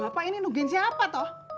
lah bapak ini nungguin siapa toh